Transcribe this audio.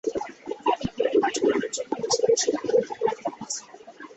তাকে ঘরের কাজকর্মের জন্যে মাসে দেড় শ টাকা বেতনে রাখা হয়েছে।